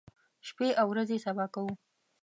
شپې او ورځې سبا کوو.